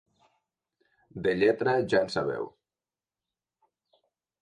De lletra ja en sabeu.